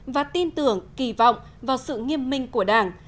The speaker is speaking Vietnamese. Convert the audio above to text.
và tin tưởng kỳ vọng vào sự nghiêm minh của đảng